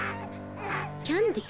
キャンディー？